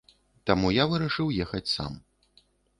Таму я вырашыў ехаць сам.